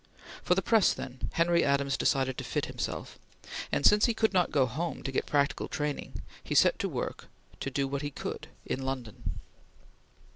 For the press, then, Henry Adams decided to fit himself, and since he could not go home to get practical training, he set to work to do what he could in London.